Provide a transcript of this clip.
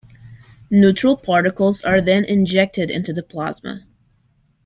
Neutral particles are then injected into the plasma.